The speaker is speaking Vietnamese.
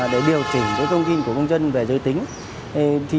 để điều chỉnh thông tin của công dân về giới tính